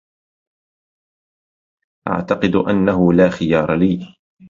أعتقد أنه لا خيار لي.